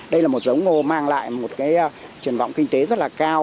đây là một giống ngô mang lại một truyền vọng kinh tế rất là cao